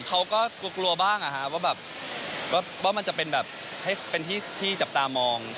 เขาก็กลัวบ้างว่าแบบว่ามันจะเป็นแบบให้เป็นที่จับตามอง